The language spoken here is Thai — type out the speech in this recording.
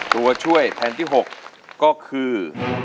ตัวช่วยแผ่นที่๖ก็คือ